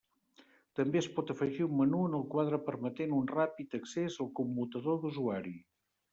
També es pot afegir un menú en el quadre permetent un ràpid accés al commutador d'usuari.